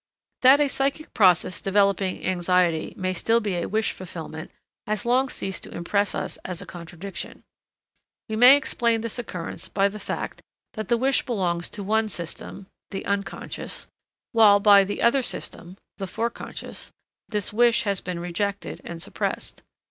That a psychic process developing anxiety may still be a wish fulfillment has long ceased to impress us as a contradiction. We may explain this occurrence by the fact that the wish belongs to one system (the Unc.), while by the other system (the Forec.), this wish has been rejected and suppressed.